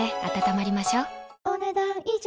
お、ねだん以上。